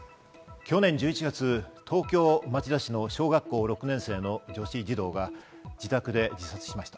去年１１月、東京・町田市の小学校６年生の女子児童が自宅で自殺しました。